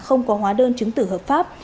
không có hóa đơn chứng từ hợp pháp